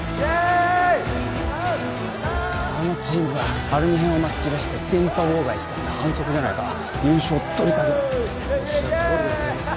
あのチームはアルミ片をまき散らして電波妨害したんだ反則じゃないか優勝を取り下げろ・おっしゃるとおりでございます